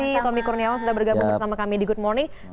terima kasih tommy kurniawan sudah bergabung bersama kami di good morning